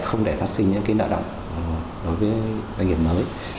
không để phát sinh những nợ động đối với doanh nghiệp mới